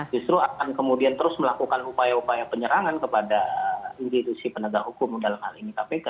justru akan kemudian terus melakukan upaya upaya penyerangan kepada institusi penegak hukum dalam hal ini kpk